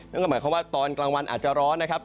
นั่นก็หมายความว่าตอนกลางวันอาจจะร้อนนะครับ